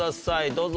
どうぞ。